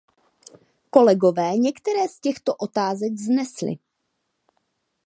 Kolegové některé z těchto otázek vznesli.